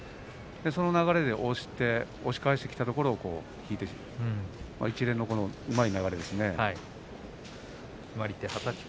その流れで押して押し返してきたところを引きました。